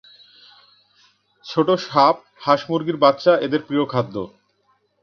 ছোট সাপ, হাঁস মুরগীর বাচ্চা এদের প্রিয় খাদ্য।